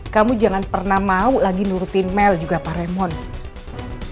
kamu jangan pernah mau lagi nurutin mel juga paremon